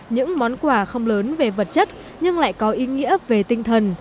những món quà không lớn về vật chất nhưng lại có ý nghĩa về tinh thần